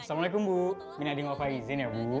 assalamualaikum bu min adi wafai izin ya bu